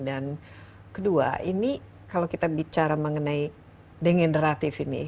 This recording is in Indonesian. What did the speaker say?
dan kedua ini kalau kita bicara mengenai degeneratif ini